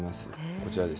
こちらです。